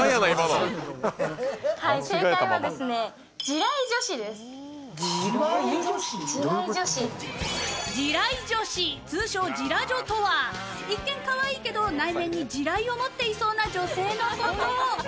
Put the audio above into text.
地雷女子、通称ジラジョとは一見かわいいけど内面に地雷を持っていそうな女性のこと。